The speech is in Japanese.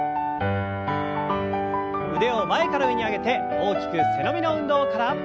腕を前から上に上げて大きく背伸びの運動から。